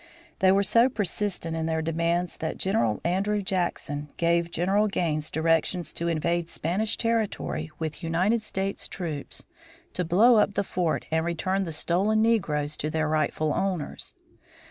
They were so persistent in their demands that General Andrew Jackson gave General Gaines directions to invade Spanish territory with United States troops to blow up the fort and return the "stolen negroes" to their rightful owners.